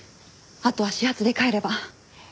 あとは始発で帰れば。